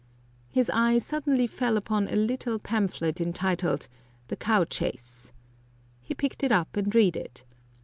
His eye suddenly fell upon a little pamphlet entitled "The Cow Chace." He picked it up and read it.